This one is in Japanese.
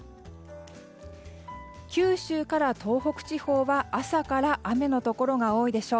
九州から東北地方は朝から雨のところが多いでしょう。